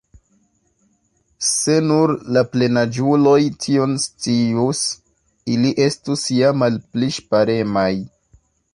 Se nur la plenaĝuloj tion_ scius, ili estus ja malpli ŝparemaj.